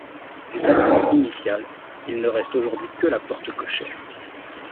Du bâtiment initial, il ne reste aujourd'hui que la porte cochère.